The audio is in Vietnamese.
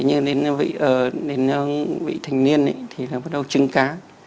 nhưng đến vị thành niên thì bắt đầu chưng cá